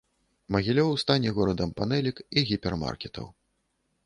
Магілёў стане горадам панэлек і гіпермаркетаў.